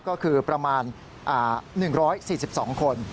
ก็คือประมาณ๑๔๒คน